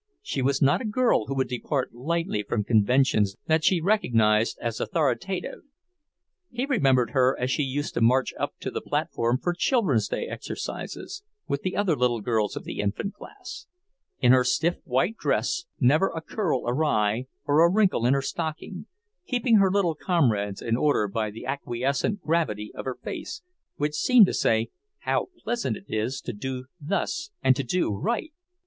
She was not a girl who would depart lightly from conventions that she recognized as authoritative. He remembered her as she used to march up to the platform for Children's Day exercises with the other little girls of the infant class; in her stiff white dress, never a curl awry or a wrinkle in her stocking, keeping her little comrades in order by the acquiescent gravity of her face, which seemed to say, "How pleasant it is to do thus and to do Right!"